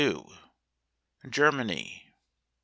GERMANY. 2.